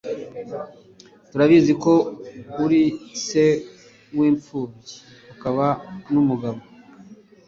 turabizi ko uri se wipfubyi ukaba numugabo